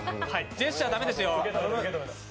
ジェスチャー駄目ですよ。